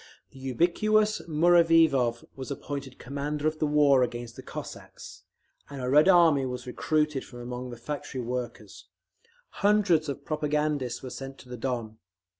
The ubiquitous Muraviov was appointed commander of the war against the Cossacks, and a Red Army was recruited from among the factory workers. Hundreds of propagandists were sent to the Don.